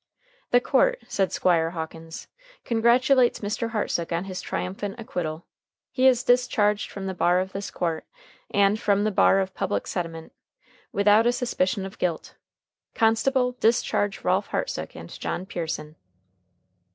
"The court," said Squire Hawkins, "congratulates Mr. Hartsook on his triumphant acquittal. He is discharged from the bar of this court, and from the bar of public sentiment, without a suspicion of guilt. Constable, discharge Ralph Hartsook and John Pearson."